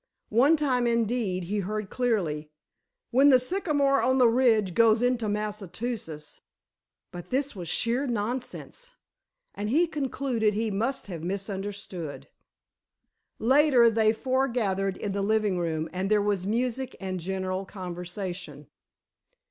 One time, indeed, he heard clearly: "When the Sycamore on the ridge goes into Massachusetts——" but this was sheer nonsense, and he concluded he must have misunderstood. Later, they all forgathered in the living room and there was music and general conversation.